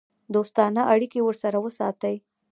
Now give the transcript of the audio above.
دوستانه اړیکې ورسره وساتي.